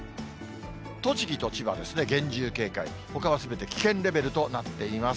栃木と千葉ですね、厳重警戒、ほかはすべて危険レベルとなっています。